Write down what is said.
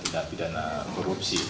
tidak pidana korupsi